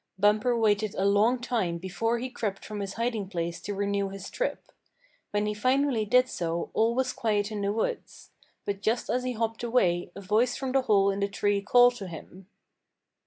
Bumper waited a long time before he crept from his hiding place to renew his trip. When he finally did so all was quiet in the woods. But just as he hopped away a voice from the hole in the tree called to him.